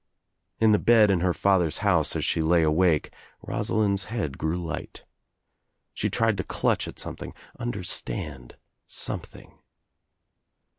In the bed in her father's house as she lay awake Rosalind's head grew light. She tried to clutch at something, understand something.